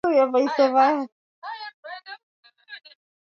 ikiwa ni pamoja na kuainisha vikwazo na mafanikio ambayo yamepatikana